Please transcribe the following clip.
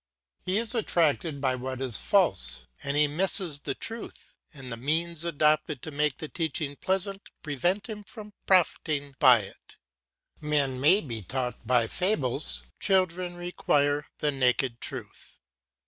He is attracted by what is false and he misses the truth, and the means adopted to make the teaching pleasant prevent him profiting by it. Men may be taught by fables; children require the naked truth.